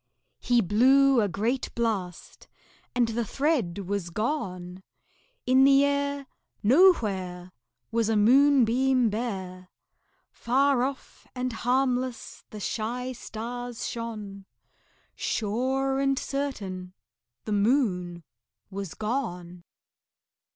He blew a great blast, and the thread was gone; In the air Nowhere Was a moonbeam bare; Far off and harmless the shy stars shone; Sure and certain the Moon was gone.